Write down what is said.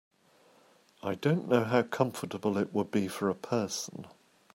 I don’t know how comfortable it would be for a person.